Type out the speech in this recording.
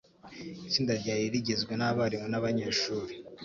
Itsinda ryari rigizwe nabarimu nabanyeshuri.